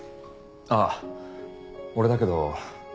あっ俺だけど。